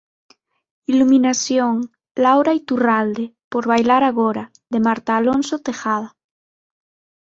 Iluminación: Laura Iturralde, por Bailar Agora, de Marta Alonso Tejada.